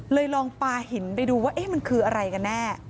ลองปลาหินไปดูว่ามันคืออะไรกันแน่